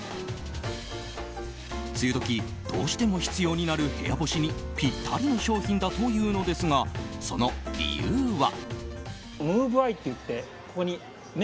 梅雨時、どうしても必要になる部屋干しにぴったりの商品だというのですがその理由は。